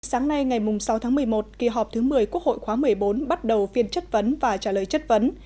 sáng nay ngày sáu tháng một mươi một kỳ họp thứ một mươi quốc hội khóa một mươi bốn bắt đầu phiên chất vấn và trả lời chất vấn